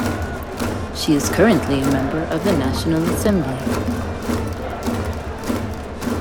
She is currently a member of the National Assembly.